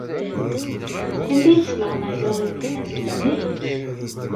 Anda ay tesleɣmayeḍ inelmaden-nnek?